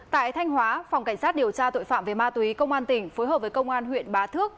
tại thanh hóa phòng cảnh sát điều tra tội phạm về ma túy công an tỉnh phối hợp với công an huyện bá thước